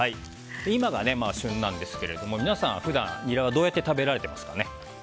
今が旬なんですけども皆さん、普段ニラはどうやって食べられていますかね。